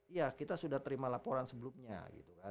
iya kita sudah terima laporan sebelumnya